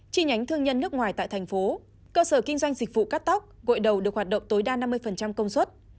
chi nhánh thương nhân nước ngoài tại thành phố cơ sở kinh doanh dịch vụ cắt tóc gội đầu được hoạt động tối đa năm mươi công suất